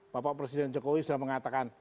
bapak presiden jokowi sudah mengatakan